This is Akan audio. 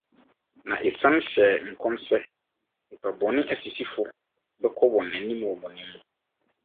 Na ɛsan hyɛɛ nkɔm sɛ: Nnipa bɔne asisifo bɛkɔ wɔn anim wɔ bɔne mu.